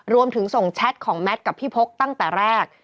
รวมถึงส่งแชทของแมทกับพี่พกตั้งแต่แรก